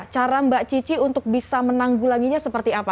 cara mbak cici untuk bisa menanggulanginya seperti apa